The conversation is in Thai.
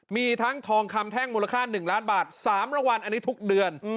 มีทั้งทองคำแท่งมูลค่า๑ล้านบาท๓รางวัลอันนี้ทุกเดือน